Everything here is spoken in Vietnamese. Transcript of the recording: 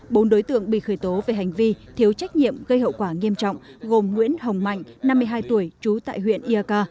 bốn đối tượng bị khởi tố về hành vi thiếu trách nhiệm gây hậu quả nghiêm trọng gồm nguyễn hồng mạnh năm mươi hai tuổi trú tại huyện iak